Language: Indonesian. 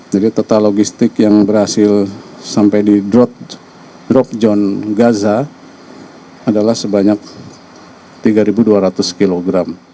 jadi total logistik yang berhasil sampai di drop zone gaza adalah sebanyak tiga dua ratus kg